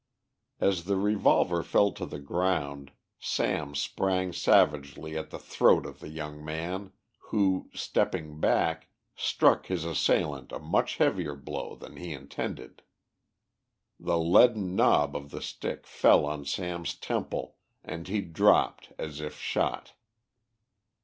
As the revolver fell to the ground Sam sprang savagely at the throat of the young man, who, stepping back, struck his assailant a much heavier blow than he intended. The leaden knob of the stick fell on Sam's temple, and he dropped as if shot.